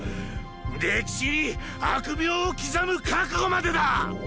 歴史に悪名を刻む覚悟までだ！！